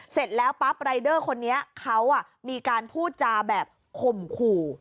เสร็จแล้วปั๊บรายเดอร์คนนี้เขามีการพูดจาแบบข่มขู่